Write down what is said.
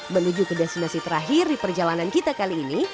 menuju ke destinasi terakhir di perjalanan kita kali ini